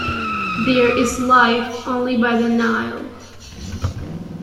There is life only by the Nile.